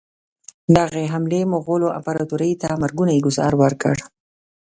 دغې حملې مغولو امپراطوري ته مرګونی ګوزار ورکړ.